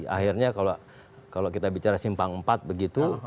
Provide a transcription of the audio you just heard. akhirnya kalau kita bicara simpang empat begitu